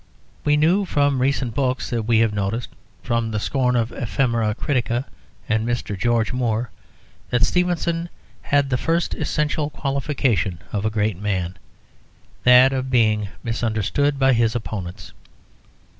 We knew from recent books that we have noticed, from the scorn of "Ephemera Critica" and Mr. George Moore, that Stevenson had the first essential qualification of a great man: that of being misunderstood by his opponents.